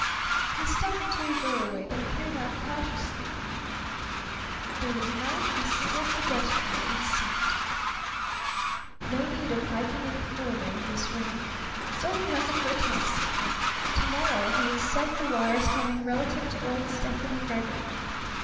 He stepped into a doorway, then peered out cautiously. There was not a single pedestrian in sight. No need of hiking any further in this rain; so he hunted for a taxi. To morrow he would set the wires humming relative to old Stefani Gregor.